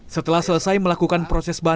setelah selesai melakukan proses